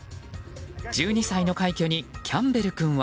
１２歳の快挙にキャンベル君は。